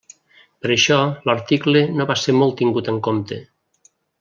Per això, l'article no va ser molt tingut en compte.